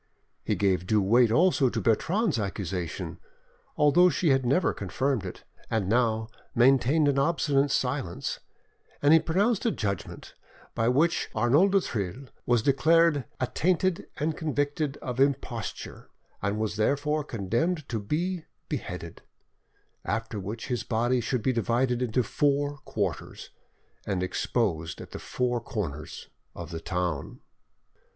He gave due weight also to Bertrande's accusation, although she had never confirmed it, and now maintained an obstinate silence; and he pronounced a judgment by which Arnauld du Thill was declared "attainted and convicted of imposture, and was therefore condemned to be beheaded; after which his body should be divided into four quarters, and exposed at the four corners of the town."